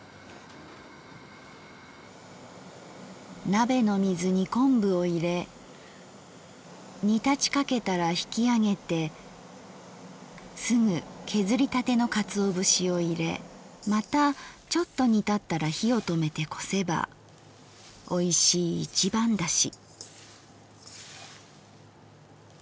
「鍋の水に昆布をいれ煮立ちかけたら引きあげてすぐけずりたての鰹節をいれまたちょっと煮立ったら火をとめて漉せばおいしい一番出し──」。